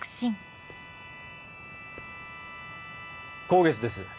香月です。